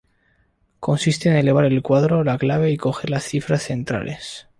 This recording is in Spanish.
Consiste en elevar al cuadrado la clave y coger las cifras centrales.